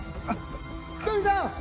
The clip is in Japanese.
「福富さん！」